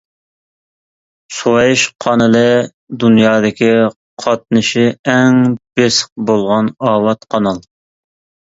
سۇۋەيىش قانىلى دۇنيادىكى قاتنىشى ئەڭ بېسىق بولغان ئاۋات قانال.